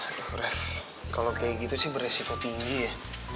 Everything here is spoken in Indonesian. aduh ref kalau kayak gitu sih beresiko tinggi ya